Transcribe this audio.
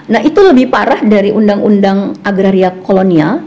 nah itu lebih parah dari undang undang agraria kolonial